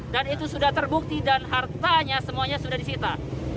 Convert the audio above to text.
itu sudah terbukti dan hartanya semuanya sudah disita